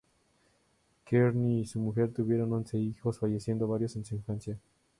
Kearny y su mujer tuvieron once hijos, falleciendo varios en su infancia.